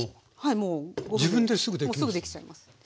もうすぐできちゃいます。